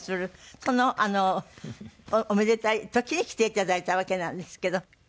そのおめでたい時に来て頂いたわけなんですけど。